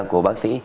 của bác sĩ